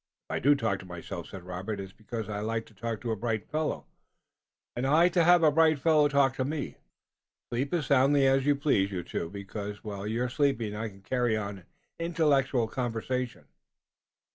"If I do talk to myself," said Robert, "it's because I like to talk to a bright fellow, and I like to have a bright fellow talk to me. Sleep as soundly as you please, you two, because while you're sleeping I can carry on an intellectual conversation."